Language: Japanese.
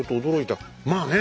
まあね